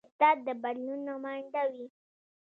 استاد د بدلون نماینده وي.